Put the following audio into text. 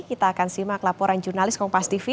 kita akan simak laporan jurnalis kompas tv